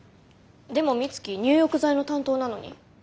でも美月入浴剤の担当なのに。